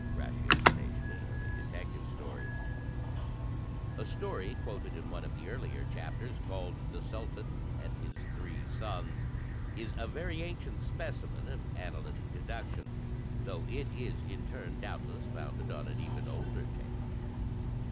Ratiocination in Early Detective Stories A story quoted in one of the earlier chapters, called "The Sultan and his Three Sons," is a very ancient specimen of analytic deduction. Though it is, in turn, doubtless founded on an even older tale.